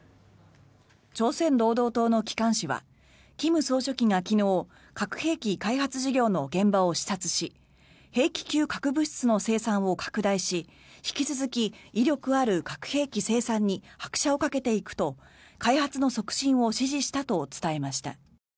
朝鮮労働党の機関紙は金総書記が昨日核兵器開発事業の現場を視察し兵器級核物質の生産を拡大し引き続き威力ある核兵器生産に拍車をかけていくと開発の促進を指示したと伝えました。